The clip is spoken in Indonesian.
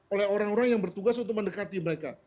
oleh orang orang yang bertugas untuk mendekati mereka